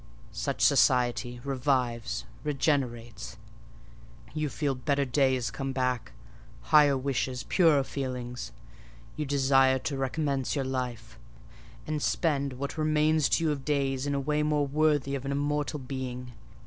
Such society revives, regenerates: you feel better days come back—higher wishes, purer feelings; you desire to recommence your life, and to spend what remains to you of days in a way more worthy of an immortal being.